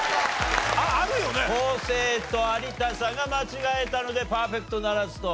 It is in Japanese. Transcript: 生と有田さんが間違えたのでパーフェクトならずと。